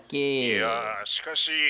「いやしかし」。